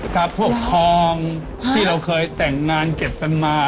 กับพวกทองที่เราเคยแต่งงานเก็บกันมา